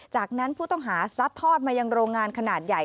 จากนั้นผู้ต้องหาซัดทอดมายังโรงงานขนาดใหญ่